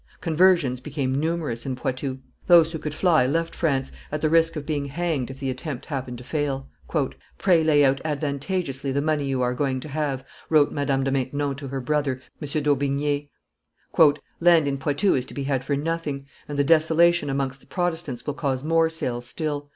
Conversions became numerous in Poitou. Those who could fly left France, at the risk of being hanged if the attempt happened to fail. "Pray lay out advantageously the money you are going to have," wrote Madame de Maintenon to her brother, M. d'Aubigne. "Land in Poitou is to be had for nothing, and the desolation amongst the Protestants will cause more sales still.